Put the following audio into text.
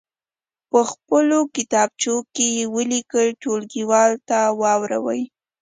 په خپلو کتابچو کې یې ولیکئ ټولګیوالو ته واوروئ.